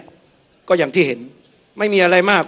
ไม่ได้เห็นไม่มีอะไรมาก